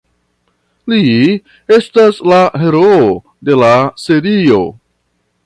Li estas la heroo de la serio.